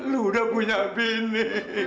lu udah punya bini